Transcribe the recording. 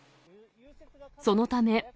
そのため。